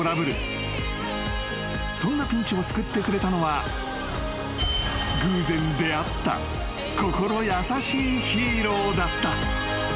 ［そんなピンチを救ってくれたのは偶然出会った心優しいヒーローだった］